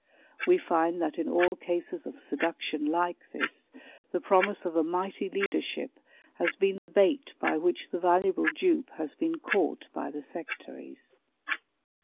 We find that in all cases of seduction like this, the promise of a mighty leadership has been the bait by which the valuable dupe has been caught by the sectaries.